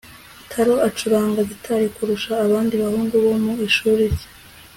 taro acuranga gitari kurusha abandi bahungu bo mu ishuri rye